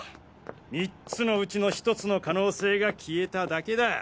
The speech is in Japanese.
３つのうちの１つの可能性が消えただけだ。